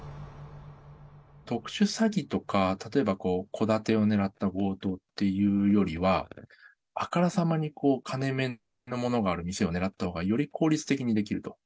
特殊詐欺とか、例えば戸建てを狙った強盗というよりは、あからさまに金めのものがある店を狙ったほうが、より効率的にできると。